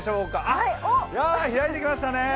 あっ、開いてきましたね。